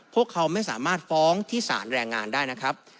พวกเขาไม่สามารถฟ้องที่สารแรงงานได้นะครับ